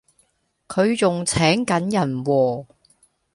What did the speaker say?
佢仲請緊人喎